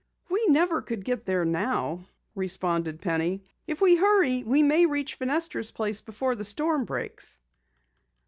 "We never could get there now," responded Penny. "If we hurry we may reach Fenestra's place before the storm breaks."